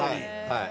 はい。